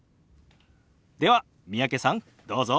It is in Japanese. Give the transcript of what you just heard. では三宅さんどうぞ。